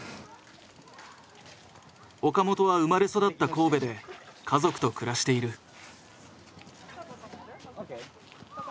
岡本は生まれ育った神戸で家族と暮らしている。